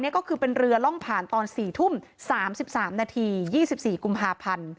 เนี่ยก็คือเป็นเรือร่องผ่านตอนสี่ทุ่มสามสิบสามนาทียี่สิบสี่กุมภาผันธ์